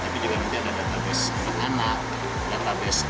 jadi kita ada database anak database alumni database ini itu harus anak